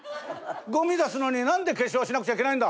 「ゴミ出すのになんで化粧しなくちゃいけないんだ！？」。